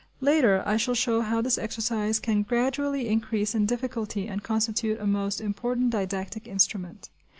Later, I shall show how this exercise can gradually increase in difficulty and constitute a most important didactic instrument.